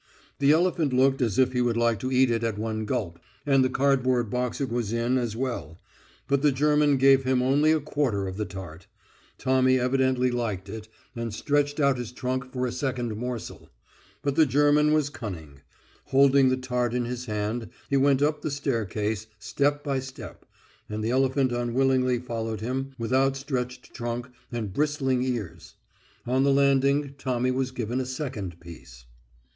The elephant looked as if he would like to eat it at one gulp, and the cardboard box it was in as well, but the German gave him only a quarter of the tart.... Tommy evidently liked it, and stretched out his trunk for a second morsel. But the German was cunning. Holding the tart in his hand he went up the staircase, step by step, and the elephant unwillingly followed him with outstretched trunk and bristling ears. On the landing Tommy was given a second piece.